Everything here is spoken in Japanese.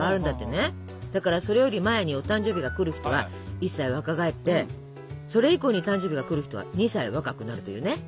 だからそれより前にお誕生日が来る人は１歳若返ってそれ以降に誕生日が来る人は２歳若くなるというね。